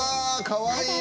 かわいい！